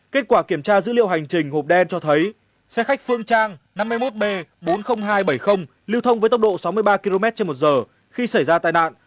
kết quả kiểm tra dữ liệu hành trình hộp đen cho thấy xe khách phương trang năm mươi một b bốn mươi nghìn hai trăm bảy mươi lưu thông với tốc độ sáu mươi ba km trên một giờ khi xảy ra tai nạn